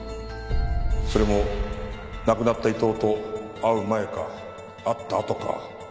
それも亡くなった伊藤と会う前か会ったあとか。